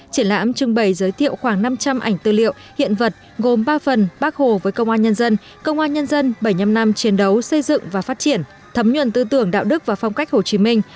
triển lãm trưng bày giới thiệu khoảng năm trăm linh ảnh tư liệu hiện vật gồm ba phần bác hồ với công an nhân dân công an nhân dân bảy mươi năm năm chiến đấu xây dựng và phát triển thấm nhuận tư tưởng đạo đức và phong cách hồ chí minh